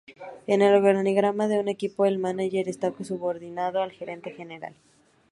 En el organigrama de un equipo, el mánager está subordinado al gerente general.